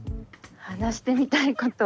話してみたいこと。